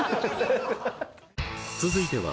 続いては